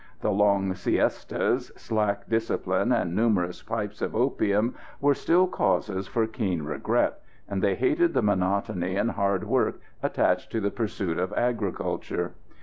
The long "siestas," slack discipline, and numerous pipes of opium were still causes for keen regret, and they hated the monotony and hard work attached to the pursuit of agriculture.